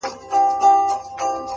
كبرجن وو ځان يې غوښـتى پــه دنـيـا كي.!